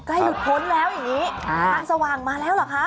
หลุดพ้นแล้วอย่างนี้ทางสว่างมาแล้วเหรอคะ